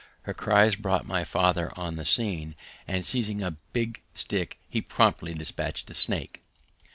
Her cries brought my father on the scene, and seizing a big stick he promptly dispatched the snake.